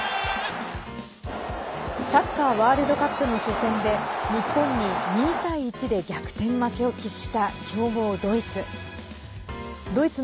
サッカーワールドカップの初戦で日本に２対１で逆転負けを喫した強豪ドイツ。